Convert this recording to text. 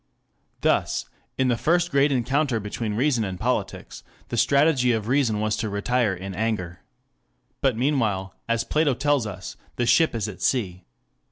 Thus, in the first great encounter between reason and politics, the strategy of reason was to retire in anger. But meanwhile, as Plato tells us, the ship is at sea.